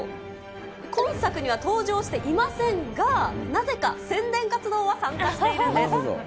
今作には登場していませんが、なぜか宣伝活動は参加しているんです。